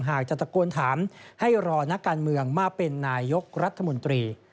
หากจะตะโกนถามให้รอนักการเมืองมาเป็นนายกรัฐมนตรี